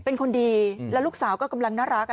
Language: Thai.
เป็นคนดีแล้วลูกสาวก็กำลังน่ารัก